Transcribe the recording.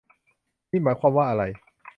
นี่หมายความว่าอะไร